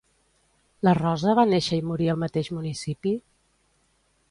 La Rosa va néixer i morir al mateix municipi?